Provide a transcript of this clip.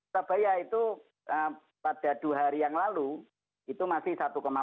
surabaya itu pada dua hari yang lalu itu masih satu enam